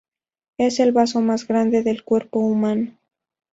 Es el vaso más grande del cuerpo humano.